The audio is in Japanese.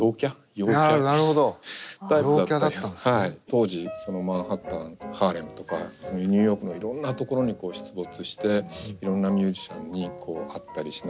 当時マンハッタン・ハーレムとかニューヨークのいろんな所に出没していろんなミュージシャンに会ったりしながら。